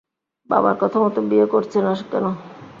বাবার কথামতো বিয়ে করছে না কেন?